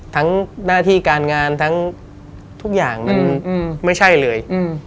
หน้าที่การงานทั้งทุกอย่างมันไม่ใช่เลย